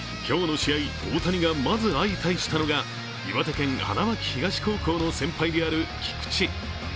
今日の試合、大谷がまず相対したのが岩手県・花巻東高校の先輩である菊池。